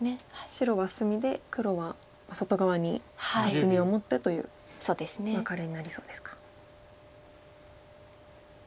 白は隅で黒は外側に厚みを持ってというワカレになりそうですか。